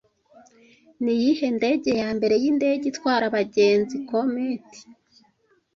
Niyihe ndege yambere yindege itwara abagenzi Comet